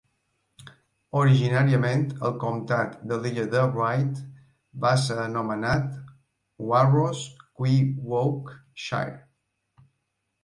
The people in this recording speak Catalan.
Originàriament, el comtat de l'Illa de Wight va ser anomenat Warrosquyoake Shire.